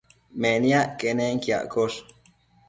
Meniac quenenquiaccosh